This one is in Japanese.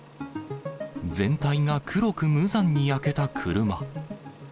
全体が黒く無残に焼けた車。